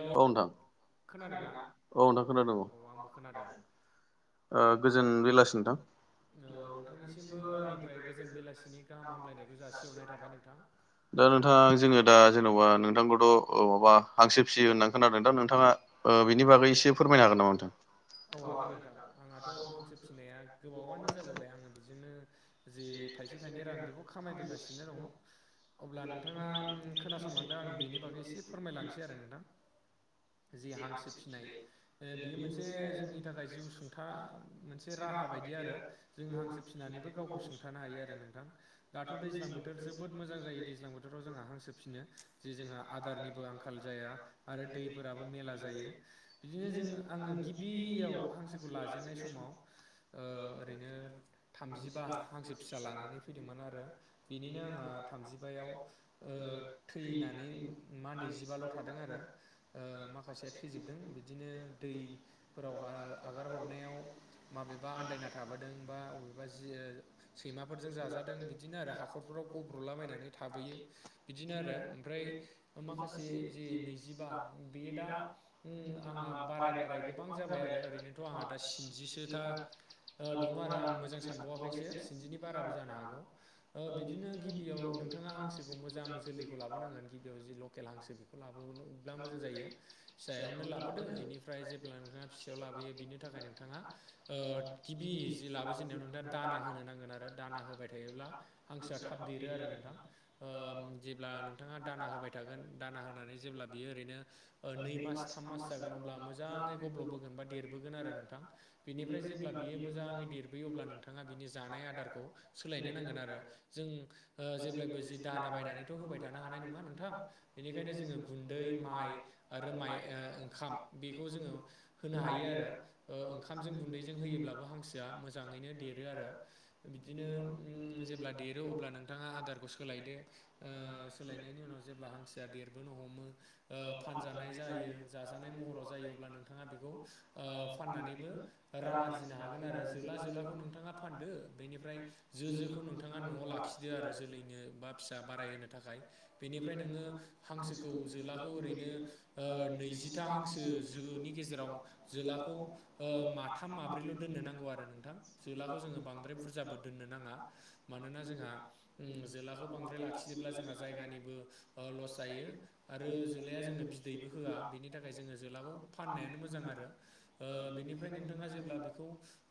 औ नोंथां औ नोंथां खोनादों औ। औ आंबो खोनादों। ओ गोजोन बेलासि नोंथां। औ नोंथांनिसिमबो आंनिफ्राय गोजोन बेलासिनि गाहाम हामलायनायखौ जासिहरनाय थाबाय नोंथां दा नोंथां जोङो दा जेन'बा नोंथांखौथ' औ माबा हांसो फिसियो होननानै खोनादों दा नोंथाङा ओ बिनि बागै एसे फोरमायनो हागोन नामा नोंथां आङाथ' हांसो फिसिनाया गोबावानो जाबोबाय आङो बिजोंनो जि थाइसे थाइनै रां बेखौ खामायबोगासिनो दङ। अब्ला नोंथाङा खोनासंलांदो आं बेनि बागै एसे फोरमायलांसै आरो नोंथां जि हांसो फिसिनाय बेयो मोनसे जोंनि थाखाय जिउ सुंथा मोनसे राहा बायदि आरो जों हांसो फिसिनानैबो गावखौ सुंथानो हायो आरो नोंथां। दाथ' दैज्लां बोथोर जोबोद मोजां जायो दैज्लां बोथोराव जोंहा हांसोफिसिनो जे जोंहा आदारनिबो आंखाल जाया। आरो दैफोराबो मेला जायो। बिदिनो जोङो आङो गिबियाव हांसोखौ लाजेननाय समाव ओ ओरैनो थामजिबा हांसो फिसा लानानै फैदोंमोन आरो बिनिनो आंहा थामजिबायाव ओ थैनानै मा नैजिबाल' थादों आरो ओ माखासेया थैजोबदों बि दिनो दैफोरावहा आगार हरनायाव माबेबा आन्दायना थाबोदों बा अबेबा जि ओ सैमाफोरजों जाजादों बिदिनो आरो हाखरफ्राव गब्र'लाबायनानै थाबोयो बिदिनो आरो ओमफ्राय माखासे जि नैजिबा बेयो दा [unintelligible] आंहा बाराय बाराय गोबां जाबाय आरो ओरैनोथ' आंहा दा स्निजिसोथा ओ दङ' आरो आं मोजां सानबावाखैसो। [unintelligible] बाराबो जानो हागौ। ओ बिदिनो गिबियाव नोंथाङा हांसोखौ मोजां जोलैखौ लाबोनांगोन। गिबियाव जि लकेल हांसो बेखौ लाबोब्ला मोजां जायो। फिसायावनो लाबोदो बेनिफ्राय जेब्ला नोंथाङा फिसायाव लाबोयो बिनि थाखाय नोंथाङा ओ गिबि जि लाबोजेननायाव नोंथाङा दाना होनो नांगोन आरो दा थायोब्ला हांसोआ थाब देरो आरो नोंथां। ओम जेब्ला नोंथाङा दाना होबाय थागोन दाना होनानै जेब्ला बियो ओरैनो ओ नै मान थाम मास जागोन अब्ला मोजाङै गब्ल'बोगोन बा देरबोगोन आरो नोंथां। बिनिफ्राय जेब्ला बियो मोजाङै देर [unintelligible] अब्ला नोंथाङा बिनि जानाय आदारखौ सोलायनो नांगोन आरो जों ओ जेब्लायबो जि दाना बायनानैथ' होबाय थानो हानाय नङा नोंथां। बेनिखायनो जोङो गुन्दै माइ आरो माइ ओ ओ ओंखाम। बेखौ जोङो होनो हायो आरो ओ ओंखामजों गुन्दैजों होयोब्लाबो हांस सोआ मोजाङैनो देरो आरो बिदिनो ओम जेब्ला देरो अब्ला नों थाङा आदारखौ सोलायदो। ओ सोलायनायनि उनाव जेब्ला हांसोआ देरबोनो हमो ओ फानजानाय जायो जाजानाय महराव जायो अब्ला नोंथाङा बेखौ ओ फाननानैबो रां आरजिनो हा जोला जोलाखौ नोंथाङा फानदो। बेनिफ्राय जो जोखौ नोंथाङा न'आव लाखिदो। ओ आरो जोलैनो बा फिसा बाराय होनो थाखाय। बेनिफ्राय नोङो हांसोखौ जोलाखौ ओरैनो ओ नैजिथा दा हांसो जोनि गेजेराव जोलाखौ ओ माथाम माब्रैल' दोननो नांगौ आरो नोंथां। जोलाखौ जोङो बांद्राय बुरजाबो दोननो नाङा। मानोना जोंहा ओम जोलाखौ बांद्राय लाखियोब्ला जोंहा जायगानिबो ओ लस जायो आरो जोलाया जोंनो बि दैबो होआ बिनि थाखाय जोङो जोलाखौ फाननायानो मोजां आरो ओ बेनिफ्राय नोंथाङा जेब्ला बेखौ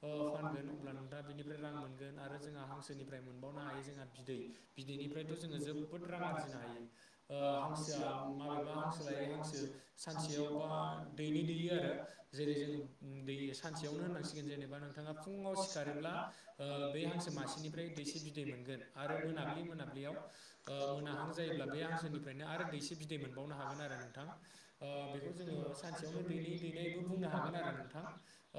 अ फानगोन अब्ला नोंथाङा बिनिफ्राय रां मोनगोन आरो जोंहा हांसोनिफ्राय मोनबावनो हायो जोंहा बि दै बिदैनिफ्रायथ' जोङो जोबोद रां आरजिनो हायो ओ हांसोआ माबेबा हांस सो लायै हांसो सानसेयाव बा दैनै दैयो आरो जेरै जोंङो दै सानसेयावनो होनांसिगोन जेनेबा नों नोंथाङा फुङाव सिखारोब्ला बै हांसो मासेनिफ्राय दैसे बिदै मोनगोन आरो मोनाब्लि मोनाब्लियाव मोनाहां जायोब्ला बे हांसोनिफ्रायनो आरो दैसे बिदै मोनबावनो हागोन आरो नों थां। ओ बेखौ जोङो सानसेयावनो दैनि दैनायबो बुंनो हागोन आरो नोंथां।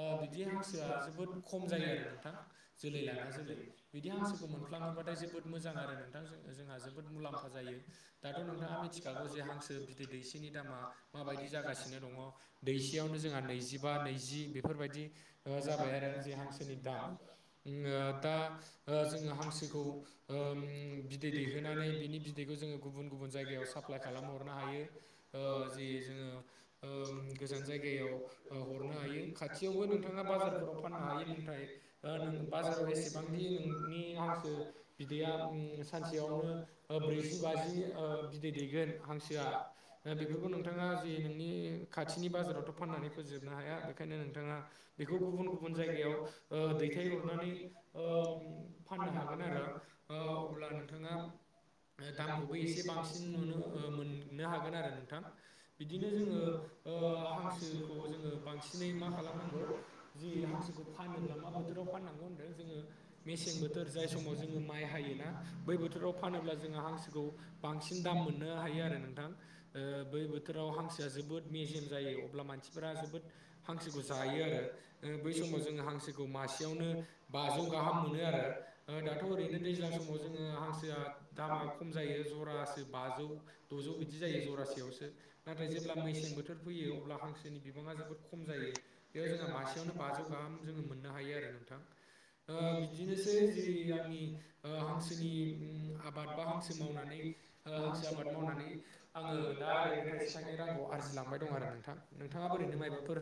ओ बिदि हांसोआ जोबोद खम जायो आरो नोंथां। जोलै लाना जोलै। बिदि हांसोखौ मोनफ्लाङोबा जोबोद मोजां आरो नोंथां जों जोंहा जोबोद मुलाम्फा जायो। दाथ' नोंथाङा मिथिखागौ जे हांसो बिदै दैसेनि दामा माबायदि जागासिनो दङ दैसेयावनो जोंहा नैजिबा नैजि बेफोरबायदि आ जाबाय आरो जे हांसोनि दाम दा जोङो हांसोखौ ओम बिदै दैहोनानै बिनि बिदैखौ जोङो गुबुन गुबुन जायगायाव साप्लााय खालामहरनो हायो ओ जि जोङो ओ गोजान जायगायाव हरनो हायो खाथियावबो नोंथाङा बाजारफोराव फाननो हायो नोंथाय नो बाजाराव एसेबांदि नोंनि हांसो बिदैया उम सानसेयावनो ब्रैजि बाजि बिदै दैगोन हांसोआ बेफोरखौ नोंथां नोंथाङा जे नोंनि खाथिनि बाजारावथ' फाननानै फोजोबनो हाया बेखायनो नोंथाङा बेखौ गुबुन गुबुन जायगायाव ओ दैथायहरनानै ओम फाननो हागोन आरो ओ अब्ला नोंथाङा दामखौबो एसे बांसिन नुनो मोननो हागोन आरो नोंथां बिदिनो जोङो ओ हांसोखौ जोङो बांसिनै मा खालामनांगौ जि हांसोखौ फानोब्ला मा बोथोराव फाननांगौ होनदों जोङो मेसें बोथोर जाय समाव जोङो मा हायोना बै बोथोराव फानोब्ला जोङो हांसोखौ बांसिन दाम मोननो हायो आरो नोंथां ओ बै बोथ राव हांसोआ जोबोद मेजेम जायो अब्ला मानसिफोरा जोबोद हांसोखौ जायो आरो ओ बै समाव जोङो हांसोखौ मासेयावनो बाजौ गाहाम मोनो आरो दाथ' ओरैनो दैज्लां समाव जोङो हांसोआ दामा खम जायो जरासे बाजौ द'जौ बिदि जायो जरासेयावसो नाथाय जेब्ला मेसें बोथोर फैयो अब्ला हांसोनि बिबाङा जोबोद खम जायो बेयाव जोंहा मासे यावनो बाजौ गाहाम जोङो मोननो हायो आरो नोंथां बिदिनोसै जि आंनि हांसोनि आबाद बा हांसो मावनानै हांसो आबाद मावनानै आङो दा ओरैनो थाइसे थाइनै रांखौ आरजिलांबाय दं आरो नोंथां नोंथाङा ओरैनो मायबाफोर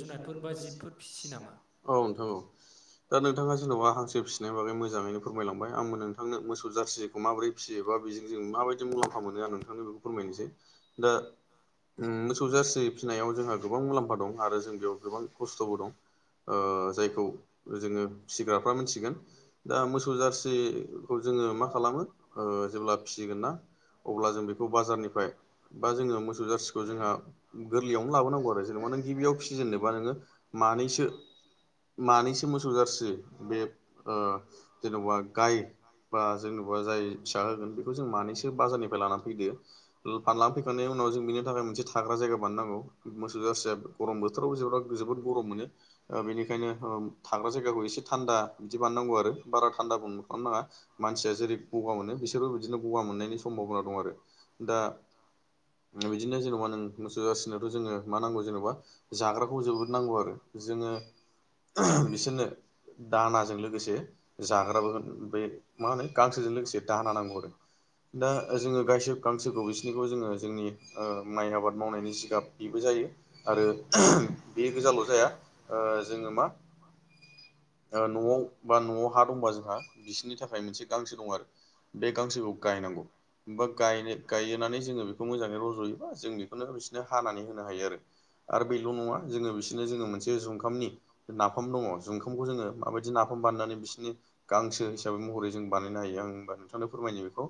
जुनादफोर बा जिबफोर फिसियो नामा औ नोंथां औ दा नोंथाङा जेन'बा हांसो फिसिनाय बागै मोजां जाङैनो फोरमायलांबाय आंबो नोंथांनो मोसौ जारसिखौ माबोरै फियो बा बेजों जों माबायदि मलामफा मोनो आरो नोंथ थांनो बेखौ फोरमायनोसै दा उम मोसौ जारसि फिनायाव जोंहा गोबां मुलाम्फा दं आरो जों बेयाव गोबां खस्थ'बो दं ओ जायखौ जोङो फिसिग्राफ्रा मोनथिगोन दा मोसौ जारसिखौ जोङो मा खालामो जेब्ला फिसिगोन ना अब्ला जों बेखौ बाजारनिफ्राय बा जोङो मोसौ जारसिखौ जोंहा गोरलैयावनो लाबोनांगौ जेनबा नों गिबियाव फिसिजेननोबा नोङो मानैसो मानैसो मोसौ जाारसि बे ओ जेनेबा गाय बा जेनेबा जाय फिसा होगोन बेखौ जों मानैसो बाजारनिफ्राय लानानै फैदो ओ फान लांना फैखांनायनि उनाव जों बेनि थाखाय मोनसे थाग्रा जायगा बानायनांगौ मोसौ जारसिया गरम बोथोरावबो ज जोबोद गरम मोनो बेनिखायनो थाग्रा जायगाखौ एसे थान्दा बिदि बानायनांगौ आरो। बारा थान्दााब खालामनााङा मानसिया जेरै गगा मोनो बिसोरबो बिदिनो गगा मोननायनि सम्भाबना दं आरो। दा बिदिनो जेनेबा नों मोसौ जाासिनोथ' जोङो मा नांगौ जेनेबा जाग्राखौ जोबोद नांगौ आरो जोङो। बिसोरनो दानाजों लोगोसे जाग्राबोगोन बे मा होनो गांसोजों लोगोसे दाहोना नांगौ आरो दा जोङो गायसो गांसोखौ बिसिनिखौ जोङो जोंनि माइ आबाद मावनायनि जिगाब बेबो जायो आरो बे गोजाल' जाया ओ जोङो मा ओ न'आव बा न'आव हा दंबा जोंहा बिसोरनि थाखाय मोनसे गांसो दं आरो बे गांसोखौ गायनांगौ हा गायोनानै जोङो बे बेखौ मोजाङै रज'योबा जों बेखौनो बिसोरनो हानानै होनो हायो आरो। आरो बे नाफाम दङ जुखामखौ जोङो माबायदि नाफाम बाननानै बिसि बिनि गांसो हिसाबै महरै जों बानायनो हायो आं हबा नोंथांनो फोरमायनो बेखौ।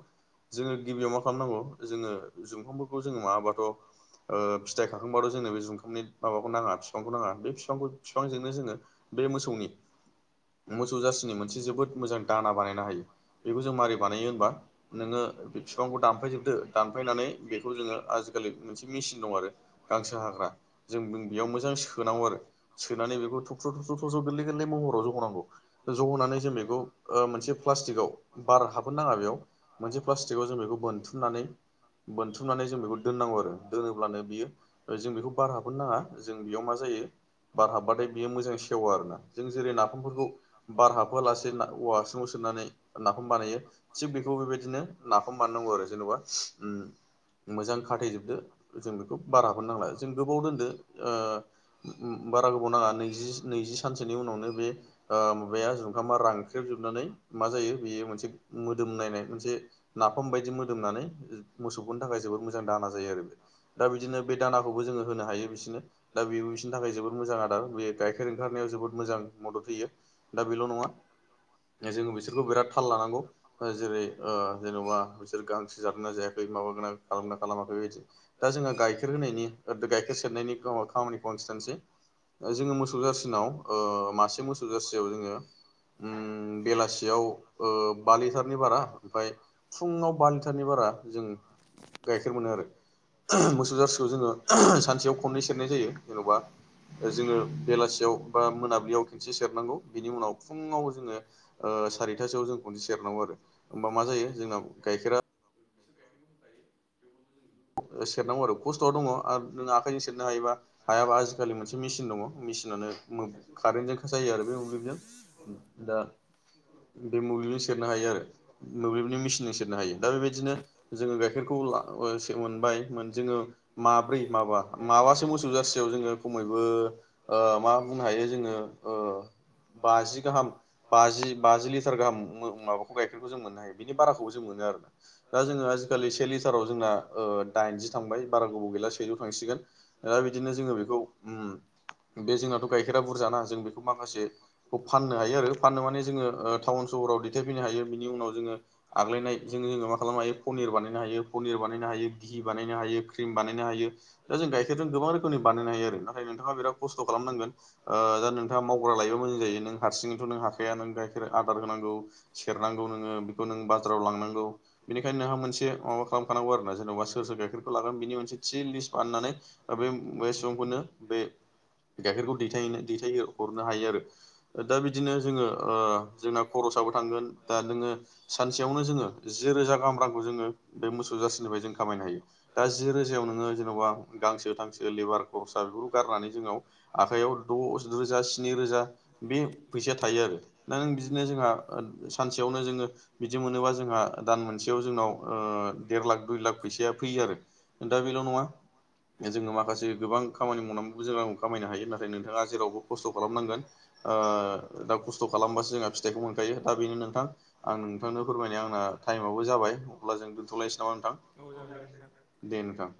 जोङो गिबियाव मा खालामनांगौ जोङो जुमफांफोरखौ जोङो माबाबाथ' फिथाइखो थबाथ' जोंङ बे जुखामनि माबाखौ नाङा बिफांखौ नाङा बेफांखौ फफांजोंनो जोङो बे मोसौनि मोसौ जासिनि मोनसे जोबोद मोजां दाना बानायनो हायो बेखौ जों माबारै बानायो होनबा नोङो बे बिफांखौ दानफायजोबदो दानफायनानै बेखौ जोङो आजिखालि गोरलै मोनसे मेसिन दं आरो गांसो हाग्रा जों बेयाव मोजां सोनांगौ आरो सोनानै बेखौ थख्र' थख्रु थस्र' गोरलै गोरलै महराव जखनांगौ ज' होननानै जों बेखौ मोनसे प्लास्टिकआव बार हाबहोन नाङा बेयाव मोनसे प्लास्टिकआव जों बेखौ बोनथुमनानै बोनथुमनानै जों बेखौ दोननांगौ आरो दोनोब्लानो बियो जों बेखौ बार हाबो नाङा जों बेयाव मा जायो बार हाबबाथाय बियो मोजां सेवा आरो ना। जों जेरै नाफामफोरखौ बार हाबफोआलासे औवा हासङाव सोनानै नाफाम बानायो थि बे बेखौ बेबायदिनो नाखौ बाननांगौ आरो जेन'बा मोजां खाथायजोबदो जों बेखौ बारा हर नांलााया जों गोबाव दोनदो बारा गोबाव नाङा नैजि नैजि सानसेोनि उनावनो बे माबाया जाम मा रानख्रेबजोबनानै मा जायो बेयो मोनसे मोदोम नायनाय मोनसे नाफाम बायदि मोदोमनानै मोसौफोरनि थाखाय जोबोद मोजां दाहाना जायो आरो बे। दा बिदिनो बे दानाखौबो जोङो होनो हायो बिसोरनो दा बेबो बिसोरनि थाखाय जोबोद मोजां आदार बे गाइखेर ओंखारनायाव जोबोद मोजां मदद होयो। दा बेल' नङा जोङो बिसोरखौ बिराद थाल लानांगौ। जेरै जेन'बा बिसोर गांसो जादों नना जायाखै माबागोना खालामना खालामाखै बिदि दा जोंहा गाइखेर होनायनि गाइखेर सेरनायनि खामानि कनसिटेसै जो मस मुसुग जासिनाव मासे मोसु जाासिग जोङो बेलासियाव बा लिटारनि बारा ओमफ्राय फुङाव बा लिटारनि बारा जों गाइखेर मोनो आरो। मोसौ जारसिखौ जोङो सानसेयाव खननै सेरनाय जायो जेन'बा जोङो बेलासियाव बा मोनाबिलियाव खनसे सेरनांगौ बिनि उनाव फुङाव जोङो सारिथासोआव जोंखौ सेरनांगौ आरो हबा मा जायो जोंना गाइखेरा सेरनांगौ आरो खस्थ'आव दङ नों आखाइजों सेरनो हायोबा हायाबा आजिखालि मोनसे मेचिन दङ मेसिनानो कारेन्टजों जायो आरो बे मोब्लिबजों दा बे मुलिजों सेरनो हायो आरो। मोब्लिबनि मेसिनजों सेरनो हायो दा बेबायदिनो जोङो गाइखेरखौ। मोनबाय जोङो माब्रै माबा। माबासो मोसौ जारसियाव जोङो खमैबो मा बुंनो हायो जोङो। बाजि गाहाम बाजि बाजि लिटार गाहाम माबाखौ गायखेरखौ जों मोननो हायो। बिनि बाराखौ जों मोनो आरोोना दा जोङो आजिखालि से लिटाराव जोंना। दाइनजि थांबाय बारा गोबाव गैला सेजौ थांसिगोन। दा बिदिनो जोङो बेखौ बे जोंनाथ' गाइखेरा बुरजा ना जों बेखौ माखासे फाननो हायो आरो फाननो मे जोङो टाउन सहराव दैथायफैनो हायो बिनि उनाव जोङो आग्लायनायजों जोङो मा खालामनो हायो पनिर बानायनो हायो पनिर बानायो। बानायनो हायो घि बानायनो हायो क्रिम बानायनो हायो। दा जों गाइखेरजों गोबां रोखोमनि बानायनो हायो आरो नाथाय नोंथाङा बिराद खस्थ' खालामनांगोन। दा नोंथाङा मावग्रा लायोबा मोजां जायो नों हारसिंथ' नों हाखाया नों गाइखेर आदार होनांगौ। सेरनांगौ नोङो बेखौ नों बाजाराव लांनांगौ बेनिखायनो नोंहा मोनसे माबा खालाम। खखानांगौ आरो ना जेनेबा सोर गाइखेरखौ लागोन बिनि मोनसे थि लिस्ट बाननानै। बे सुबुंफोरनो बे गाइखेरखौ दैथायनो दैथाय हरनो हायो आरो। दा बिदिनो जोङो जोंना खरसाबो थांगोन दा नोङो सानसेयावनो जोङो ज रोजा गाहाम रांखौ जोङो बे मोसौ जसिनिफ्राय जों खामायनो हायो। दा जि रोजायाव नोङो जेन'बा गांसो थांसो लेबार खरसा बेफोरखौ गारनानै जोंनाव आखायाव द' रोजा स्नि रोजा बे फैसा थायो आरो दा नों बिदिनो जोंहा सानसेयावनो जोङो बिदि मोनोबा जोंहा दान मोनसेयाव जोंनाव देर लाख दुइ लाख फैसाया फैयो आरो दा बेल' नङा जोङो माखासेबां खामानि मावनानैबो जों रां खामायनो हायो। नाथाय नोंथाङा जेरावबो खस्थ' खालामनांगोन। दा खस्थ' खालामबासो जोंहा फिथाइखौ मोनखायो दा बेनो नोंथां। आं नोंथांनो फोरमायनाय आंना टाइमावबो जाबाय अब्ला जों दोनथ'लायनोसै नामा नोंथां? दे नोंथां।